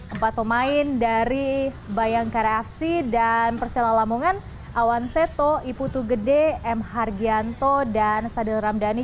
empat pemain dari bayangkara fc dan persela lamongan awan seto iputu gede m hargianto dan sadil ramdhani